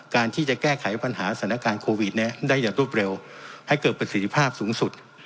การที่จะแก้ไขปัญหาสถานการณ์โควิดได้อย่างรวดเร็วให้เกิดประสิทธิภาพสูงสุด